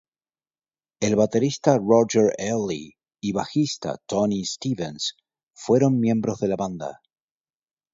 El baterista Roger Early y bajista Tony Stevens fueron miembros de la banda.